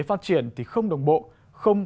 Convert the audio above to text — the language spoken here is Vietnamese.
phát triển thì không đồng bộ không